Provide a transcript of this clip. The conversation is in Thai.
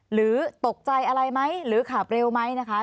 หรือตกใจอะไรไหมหรือขับเร็วไหมนะคะ